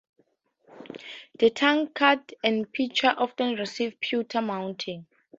The tankards and pitchers often received pewter mountings.